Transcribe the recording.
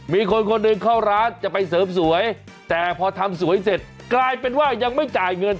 มีคนคนหนึ่งเข้าร้านจะไปเสริมสวยแต่พอทำสวยเสร็จกลายเป็นว่ายังไม่จ่ายเงิน